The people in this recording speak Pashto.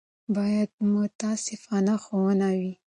باید منصفانه ښوونه وي.